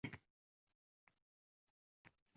Buning foydali tomonlariga bir nazar tashlasak.